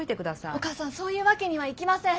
お母さんそういうわけにはいきません。